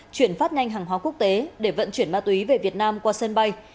chuyển phát nhanh hàng hóa quốc tế để vận chuyển ma túy về việt nam qua sân bay